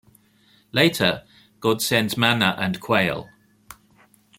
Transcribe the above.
Later God sends manna and quail.